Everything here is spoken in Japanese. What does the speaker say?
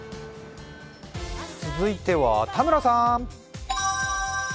続いては田村さん。